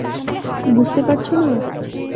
বুঝতে পারছ না?